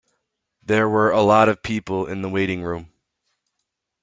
There were a lot of people in the waiting room.